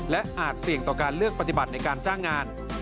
และอาจเสี่ยงต่อการเลือกปฏิบัติในการจ้างงาน